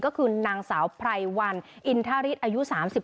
ก็คือนางสาวไพรวันอินทริสอายุ๓๓